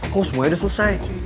kok semuanya udah selesai